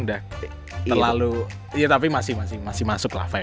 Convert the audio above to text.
udah terlalu iya tapi masih masuk lah vibe